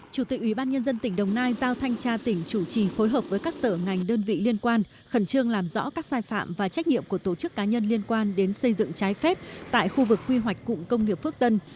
chủ tịch ubnd tỉnh đồng nai giao thanh tra tỉnh chủ trì phối hợp với các sở ngành đơn vị liên quan khẩn trương làm rõ các sai phạm và trách nhiệm của tổ chức cá nhân liên quan đến xây dựng trái phép tại khu vực quy hoạch cụm công nghiệp phước tân